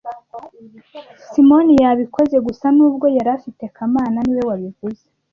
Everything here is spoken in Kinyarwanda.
Simoni yabikoze gusa nubwo yari afite kamana niwe wabivuze